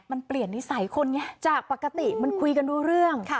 มันเปลี่ยนนิสัยคนไงจากปกติมันคุยกันรู้เรื่อง